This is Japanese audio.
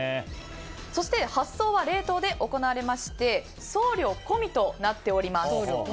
そして発送は冷凍で行われまして送料込みとなっております。